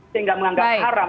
sehingga menganggap haram